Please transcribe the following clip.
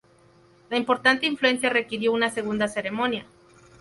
La importante afluencia requirió una segunda ceremonia.